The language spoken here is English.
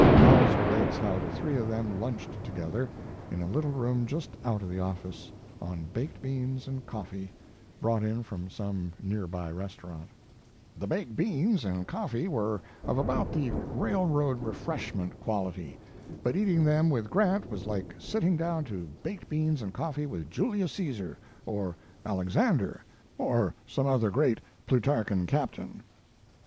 Howells relates how the three of them lunched together, in a little room just out of the office, on baked beans and coffee, brought in from some near by restaurant: The baked beans and coffee were of about the railroad refreshment quality; but eating them with Grant was like sitting down to baked beans and coffee with Julius Caesar, or Alexander, or some other great Plutarchan captain.